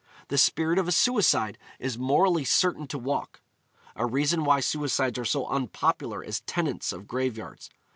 The spirit of a suicide is morally certain to walk: a reason why suicides are so unpopular as tenants of graveyards.